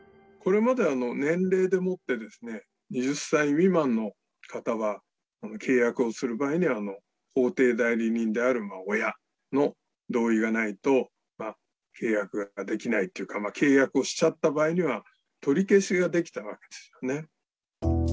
２０歳未満の方は契約をする場合には法定代理人である親の同意がないと、契約ができないっていうか、契約をしちゃった場合には取り消しができたわけですよね。